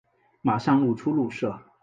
马上露出怒色